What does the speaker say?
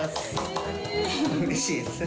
うれしいです。